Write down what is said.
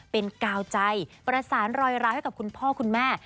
เป็นกาวใจประสานรอยร้าวให้กับคุณพ่อคุณแม่